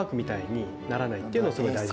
っていうのすごい大事。